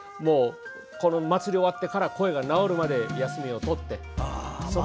祭りが終わってから声が治るまで休みを取って。